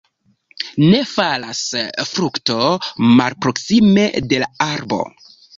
Ne falas frukto malproksime de l' arbo.